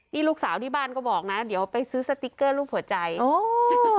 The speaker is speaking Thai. นี่ลูกสาวที่บ้านก็บอกนะเดี๋ยวไปซื้อสติ๊กเกอร์รูปหัวใจโอ้